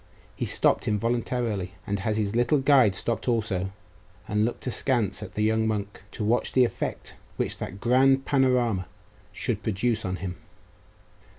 He stopped involuntarily; and his little guide stopped also, and looked askance at the young monk, to watch the effect which that grand panorama should produce on him.